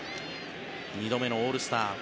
２度目のオールスター。